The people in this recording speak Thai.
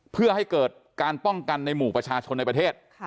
เพื่อให้เกิดการป้องกันในหมู่ประชาชนในประเทศ